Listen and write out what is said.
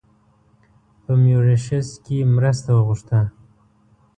په میوریشیس کې مرسته وغوښته.